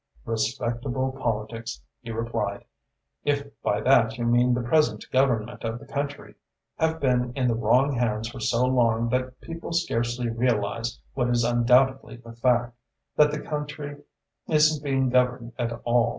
"Respectable politics," he replied, "if by that you mean the present government of the country, have been in the wrong hands for so long that people scarcely realise what is undoubtedly the fact that the country isn't being governed at all.